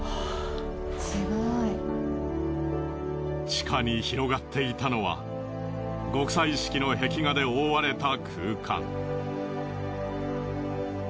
地下に広がっていたのは極彩色の壁画で覆われた空間。